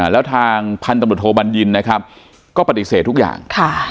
แล้วทางพันธุ์ตำรวจโทบัญญินนะครับก็ปฏิเสธทุกอย่าง